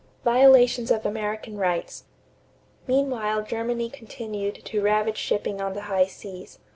=Violations of American Rights.= Meanwhile Germany continued to ravage shipping on the high seas.